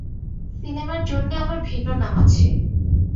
সিনেমার জন্যে আমার ভিন্ন নাম আছে।